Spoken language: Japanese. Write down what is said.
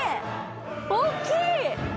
大っきい！